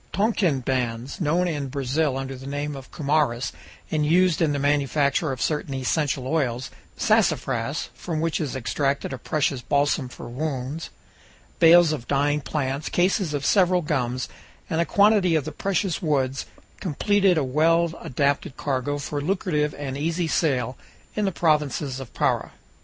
Tonquin bans, known in Brazil under the name of "cumarus," and used in the manufacture of certain essential oils; sassafras, from which is extracted a precious balsam for wounds; bales of dyeing plants, cases of several gums, and a quantity of precious woods, completed a well adapted cargo for lucrative and easy sale in the provinces of Para.